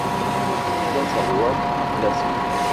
Habita en Sarawak, Malasia.